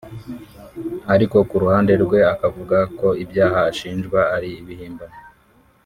Ariko ku ruhande rwe akavuga ko ibyaha ashinjwa ari ibihimbano